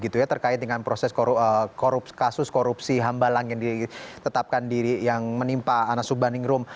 terkait dengan proses kasus korupsi hambalang yang ditetapkan diri yang menimpa anas ubaningrum